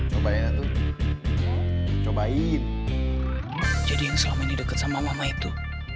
cobain itu cobain jadi yang selama ini dekat sama mama itu